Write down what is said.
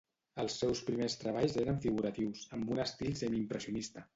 Els seus primers treballs eren figuratius, amb un estil semiimpressionista.